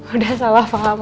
udah salah paham